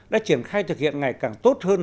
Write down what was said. đã triển khai thực hiện ngày càng tốt hơn